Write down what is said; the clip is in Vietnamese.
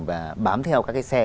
và bám theo các cái xe